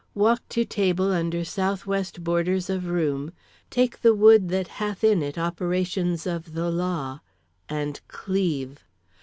"Walk to table under southwest borders of room, take the wood that hath in it operations of the law, and cleave.